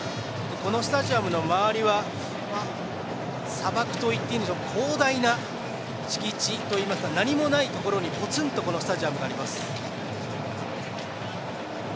このスタジアムの周りは砂漠と言っていいんでしょうか広大な敷地といいますか何もないところにぽつんとスタジアムがあります。